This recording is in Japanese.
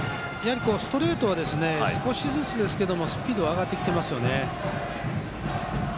ストレートは少しずつスピードが上がっていますね。